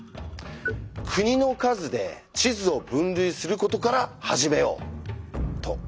「国の数で地図を分類することから始めよう」と。